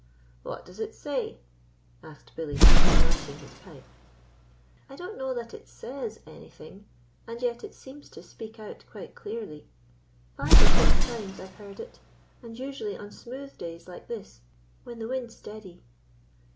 "What does it say?" asked Billy, re lighting his pipe. "I don't know that it says anything, and yet it seems to speak out quite clearly. Five or six times I've heard it, and usually on smooth days like this, when the wind's steady."